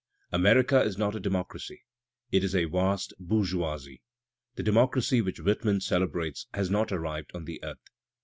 America is I not a democracy; it is a vast bourgeoisie; the democracy I which Whitman celebrates has not arrived on the earth.